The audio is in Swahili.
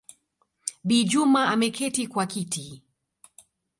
Bi Juma ameketi kwa kiti